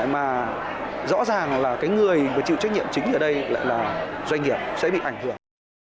mà rõ ràng là cái người chịu trách nhiệm chính ở đây là doanh nghiệp sẽ bị ảnh hưởng